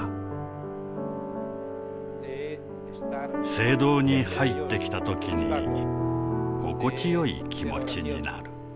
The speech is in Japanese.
聖堂に入ってきた時に心地よい気持ちになる。